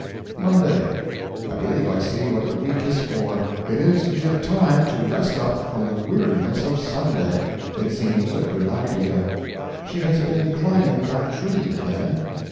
MONDAY. I believe I see what the week is for: it is to give time to rest up from the weariness of Sunday. It seems a good idea. ... She has been climbing that tree again.